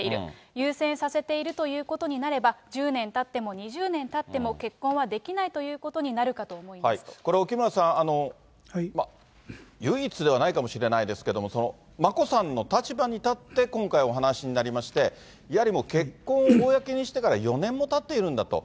優先させているということになれば、１０年たっても２０年たっても結婚はできないということになこれ、沖村さん、唯一ではないかもしれないですけれども、眞子さんの立場に立って、今回、お話しになりまして、やはりもう結婚をおおやけにしてから４年もたっているんだと。